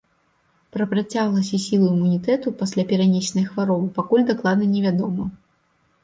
Пра працягласць і сілу імунітэту пасля перанесенай хваробы пакуль дакладна невядома.